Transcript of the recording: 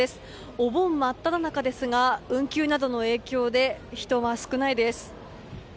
お盆真っただ中ですが運休などの影響で人は少ないです。